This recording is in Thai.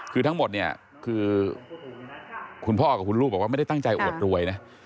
คือทั้งหมดคุณพ่อกับคุณลูกบอกว่าไม่ได้ตั้งใจอดรวย